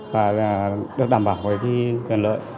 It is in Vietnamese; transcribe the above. và được đảm bảo về cái quyền lợi